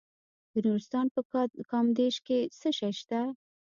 د نورستان په کامدیش کې څه شی شته؟